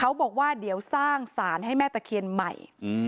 บอกว่าเดี๋ยวสร้างสารให้แม่ตะเคียนใหม่